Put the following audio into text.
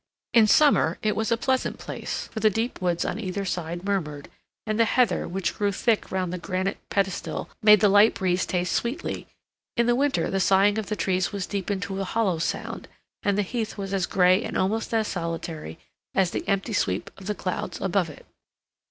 In summer it was a pleasant place, for the deep woods on either side murmured, and the heather, which grew thick round the granite pedestal, made the light breeze taste sweetly; in winter the sighing of the trees was deepened to a hollow sound, and the heath was as gray and almost as solitary as the empty sweep of the clouds above it.